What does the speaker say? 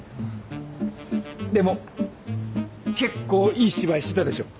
でも結構いい芝居してたでしょ？